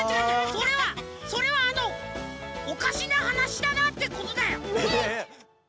それはそれはあのおかしなはなしだなってことだよ。